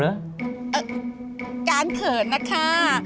กาลเขินนะคะเอาไว้รอบหน้าจะเปิดให้ดูกัน